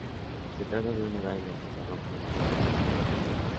Se trata de un lugar en el que se rompe la superficie aislante.